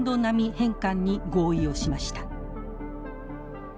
返還に合意をしました。